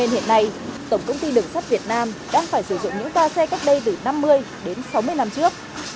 hiện nay tổng công ty đường sắt việt nam đang phải sử dụng những toa xe cách đây từ năm mươi đến sáu mươi năm trước